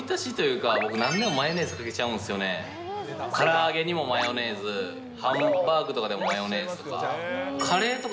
から揚げにもマヨネーズ、ハンバーグとかでもマヨネーズとか。